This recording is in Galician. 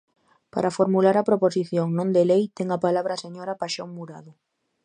Para formular a proposición non de lei ten a palabra a señora Paxón Murado.